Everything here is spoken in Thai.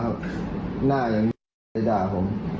หน้ายังไม่ได้ด่าผม